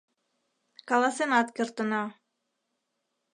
Каласенат кертына: